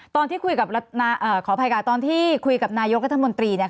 ตอนที่คุยกับขออภัยค่ะตอนที่คุยกับนายกรัฐมนตรี